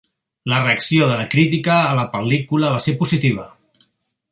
La reacció de la crítica a la pel·lícula va ser positiva.